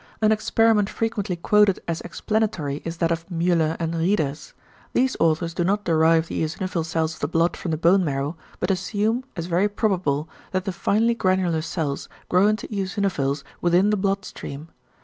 An experiment frequently quoted as explanatory is that of Müller and Rieder's; these authors do not derive the eosinophil cells of the blood from the bone marrow, but assume, as very probable, that the finely granular cells grow into eosinophils within the blood stream.